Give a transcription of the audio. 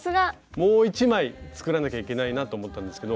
もう一枚作らなきゃいけないなと思ったんですけど。